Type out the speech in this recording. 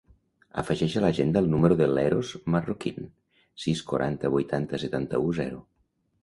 Afegeix a l'agenda el número de l'Eros Marroquin: sis, quaranta, vuitanta, setanta-u, zero.